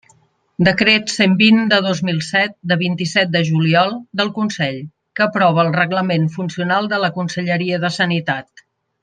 Decret cent vint de dos mil set, de vint-i-set de juliol, del Consell, que aprova el Reglament Funcional de la Conselleria de Sanitat.